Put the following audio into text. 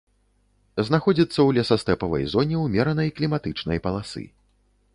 Знаходзіцца ў лесастэпавай зоне ўмеранай кліматычнай паласы.